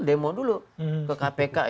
demo dulu ke kpk